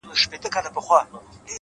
اخلاص د باور کلا ټینګوي!